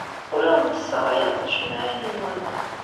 Ur awent-ssaɣayeɣ ticemmaɛin-nwent.